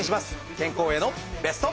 健康へのベスト。